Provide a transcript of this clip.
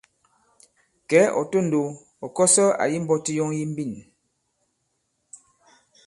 Kɛ̌ ɔ̀ tondow, ɔ̀ kɔsɔ àyi mbɔti yɔŋ yi mbîn.